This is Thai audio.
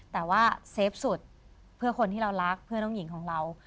แต่ว่าเซฟสุดเพื่อคนที่เรารักเพื่อนน้องหญิงของเรา